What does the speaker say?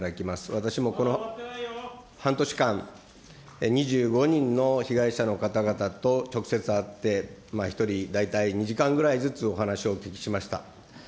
私もこの半年間、２５人の被害者の方々と直接会って、１人大体２時間ぐらいずつお話をお聞きしました。